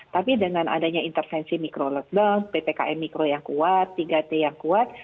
tapi dengan adanya intervensi mikro lockdown ppkm mikro yang kuat tiga t yang kuat